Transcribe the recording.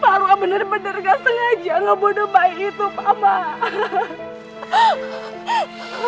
marwa bener bener gak sengaja ngebunuh bayi itu pak man